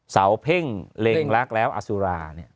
เสาเพ่งเล็งรักแล้วอสุราเนี่ย